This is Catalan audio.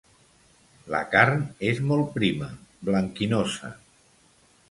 La carn és molt prima, blanquinosa.